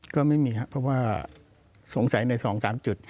ก็ไม่มีครับเพราะว่าสงสัยใน๒๓จุด